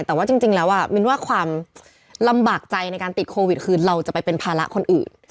แต่ว่าจริงแล้วมินว่าความลำบากใจในการติดโควิดคือเราจะไปเป็นภาระคนอื่น